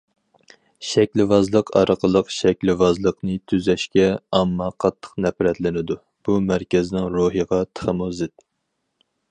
شەكىلۋازلىق ئارقىلىق شەكىلۋازلىقنى تۈزەشكە ئامما قاتتىق نەپرەتلىنىدۇ، بۇ مەركەزنىڭ روھىغا تېخىمۇ زىت.